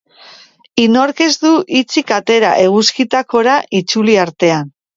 Inork ez du hitzik atera eguzkitakora itzuli artean.